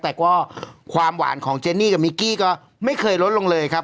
แต่ก็ความหวานของเจนี่กับมิกกี้ก็ไม่เคยลดลงเลยครับ